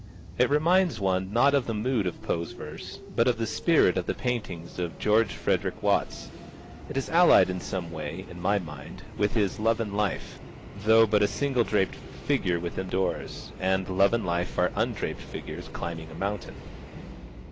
It reminds one, not of the mood of Poe's verse, but of the spirit of the paintings of George Frederick Watts. It is allied in some way, in my mind, with his "Love and Life," though but a single draped figure within doors, and "Love and Life" are undraped figures, climbing a mountain.